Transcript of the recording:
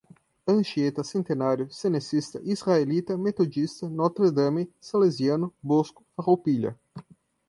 Anchieta, Centenário, Cenecista, Israelita, Metodista, Notre Drame, Salesiano, Bosco, Farroupilha